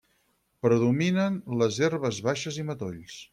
Predominen les herbes baixes i matolls.